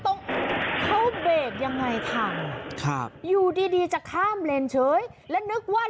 ตรงเขาเบรกยังไงทันครับอยู่ดีดีจะข้ามเลนเฉยและนึกว่า